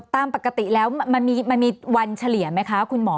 ตามปกติแล้วมันมีวันเฉลี่ยไหมคะคุณหมอ